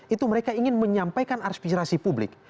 itu mereka ingin menyampaikan aspirasi publik